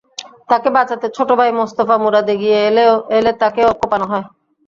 তাঁকে বাঁচাতে ছোট ভাই মোস্তফা মুরাদ এগিয়ে এলে তাঁকেও কোপানো হয়।